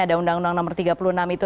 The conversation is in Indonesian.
ada undang undang nomor tiga puluh enam itu